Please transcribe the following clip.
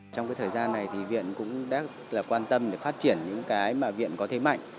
trong thời gian này viện cũng đã quan tâm phát triển những cái mà viện có thể mạnh